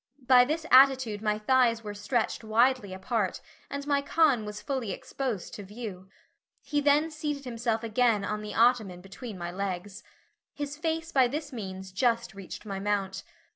By this attitude my thighs were stretched widely apart, and my con was fully exposed to view. He then seated himself again on the ottoman between my legs. His face by this means just reached my mount.